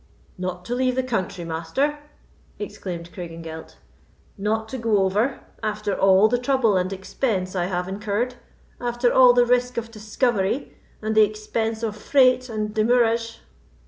"Not to leave the country, Master!" exclaimed Craigengelt. "Not to go over, after all the trouble and expense I have incurred—after all the risk of discovery, and the expense of freight and demurrage!"